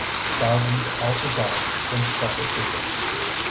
Thousands also died from spotted fever.